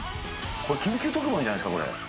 これ緊急特番じゃないですか？